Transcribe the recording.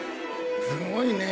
すごいね。